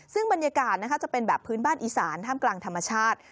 ซึ่งบรรยากาศจะเป็นแบบพื้นบ้านอีสานท่ามกลางธรรมชาติ